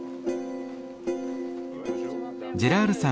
ジェラールさん